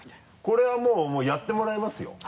これはもうやってもらいますよ？